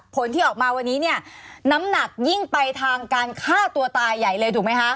ผลที่ออกมาวันนี้เนี่ยน้ำหนักยิ่งไปทางการฆ่าตัวตายใหญ่เลยถูกไหมคะ